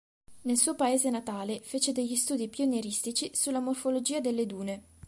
Nel suo paese natale, fece degli studi pionieristici sulla morfologia delle dune.